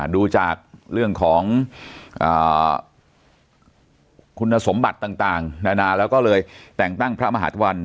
ดูจากเรื่องของคุณสมบัติต่างนานาแล้วก็เลยแต่งตั้งพระมหาธวัน